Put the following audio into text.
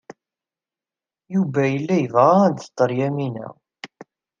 Yuba yella yebɣa ad t-ter Yamina.